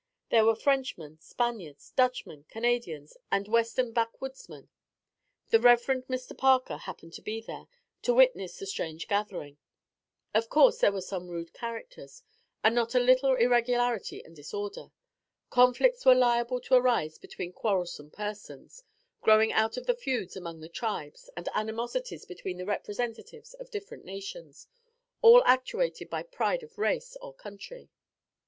There were Frenchmen, Spaniards, Dutchmen, Canadians, and Western backwoodsmen. The Rev. Mr. Parker happened to be there, to witness the strange gathering. Of course there were some rude characters, and not a little irregularity and disorder. Conflicts were liable to arise between quarrelsome persons, growing out of the feuds among the tribes, and animosities between the representatives of different nations, all actuated by pride of race or country.